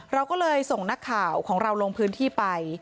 เราก็เลยส่งนักข่าวของเราลงพื้นที่ไป